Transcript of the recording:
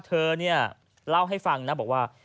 เธอเนี่ยเล่าให้ฟังนะบอกว่า